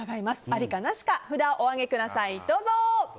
ありかなしか札をお上げください。